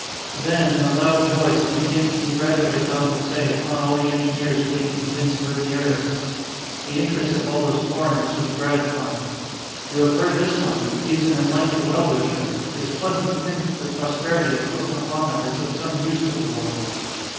Then in a loud voice he began to congratulate Don Jose upon all the engineers being convinced Ribierists. The interest of all those foreigners was gratifying. "You have heard this one. He is an enlightened well wisher. It is pleasant to think that the prosperity of Costaguana is of some use to the world."